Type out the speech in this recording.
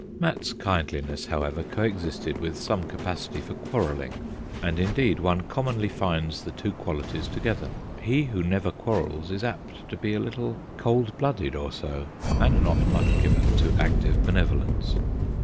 Mat's kindliness, however, co existed with some capacity for quarrelling, and indeed one commonly finds the two qualities to gether : he who never quarrels is apt to be a little cold blooded or so, and not much given to active benevolence.